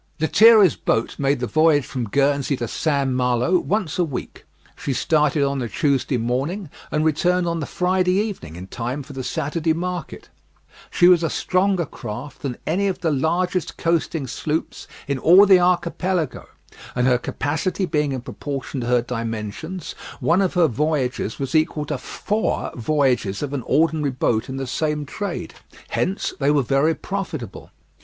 Lethierry's boat made the voyage from Guernsey to St. Malo once a week. She started on the Tuesday morning, and returned on the Friday evening, in time for the Saturday market. She was a stronger craft than any of the largest coasting sloops in all the Archipelago, and her capacity being in proportion to her dimensions, one of her voyages was equal to four voyages of an ordinary boat in the same trade; hence they were very profitable.